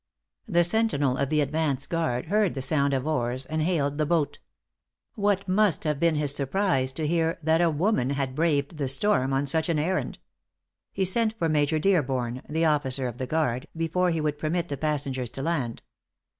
The sentinel of the advance guard heard the sound of oars, and hailed the boat. What must have been his surprise to hear that a woman had braved the storm on such an errand! He sent for Major Dearborn, the officer of the guard, before he would permit the passengers to land.